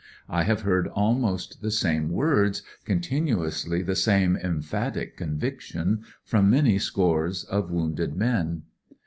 I have heard almost the same words, continuously the same emphatic conviction, from many scores of woimded men.